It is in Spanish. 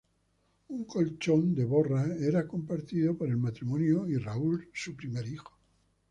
Un colchón de borra era compartido por el matrimonio y Raúl, su primer hijo.